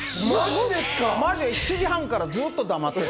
まじ、７時半からずっと黙ってる。